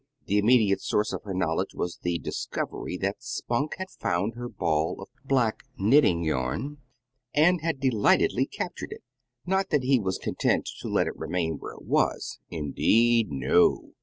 The immediate source of her knowledge was the discovery that Spunk had found her ball of black knitting yarn, and had delightedly captured it. Not that he was content to let it remain where it was indeed, no.